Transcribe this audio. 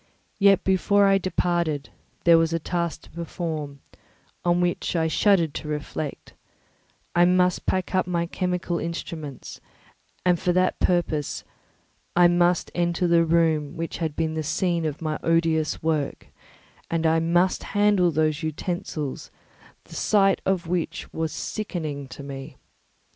Yet, before I departed, there was a task to perform, on which I shuddered to reflect; I must pack up my chemical instruments, and for that purpose I must enter the room which had been the scene of my odious work, and I must handle those utensils the sight of which was sickening to me.